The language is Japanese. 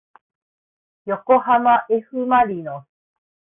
よこはまえふまりのす